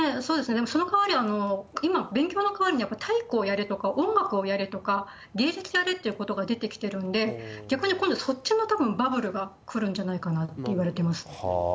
でもその代わり、今、勉強の代わりに体育をやれとか、音楽をやれとか芸術やれっていうことが出てきてるんで、逆に今度はそっちのたぶん、バブルがくるんじゃないかなっていわれてますね。